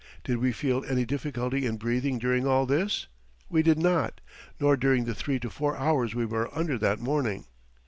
Did we feel any difficulty in breathing during all this? We did not, nor during the three to four hours we were under that morning.